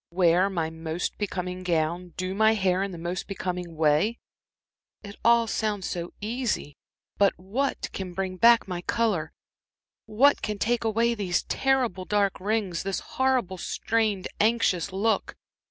"Wear my most becoming gown, do my hair the most becoming way! It all sounds so easy. But what can bring back my color, what can take away these terrible dark rings, this horrible strained, anxious look?